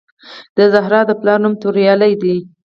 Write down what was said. د زهرا د پلار نوم توریالی دی